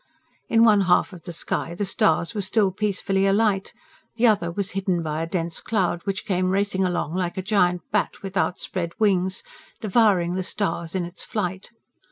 In one half of the sky the stars were still peacefully alight; the other was hidden by a dense cloud, which came racing along like a giant bat with outspread wings, devouring the stars in its flight.